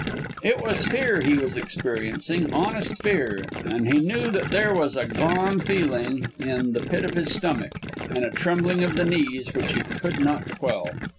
It was fear he was experiencing, honest fear, and he knew that there was a "gone" feeling in the pit of his stomach, and a trembling of the knees which he could not quell.